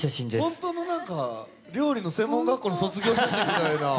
本当の料理の専門学校の卒業写真みたいな。